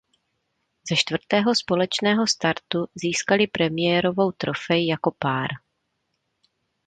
Ze čtvrtého společného startu získali premiérovou trofej jako pár.